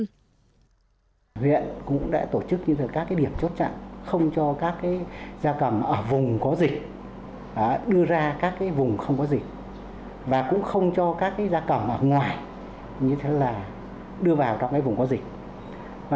huyện cũng đã tổ chức các điểm chốt chặn không cho các gia cầm ở vùng có dịch đưa ra các vùng không có dịch và cũng không cho các gia cầm ở ngoài đưa vào trong vùng có dịch